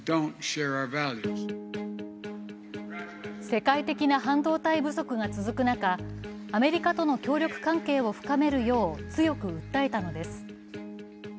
世界的な半導体不足が続く中、アメリカとの協力関係を深めるよう強く訴えたのです。